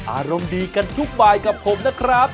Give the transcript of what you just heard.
อารมณ์ดีกันทุกบายกับผมนะครับ